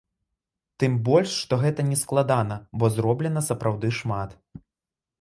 Тым больш, што гэта нескладана, бо зроблена сапраўды шмат.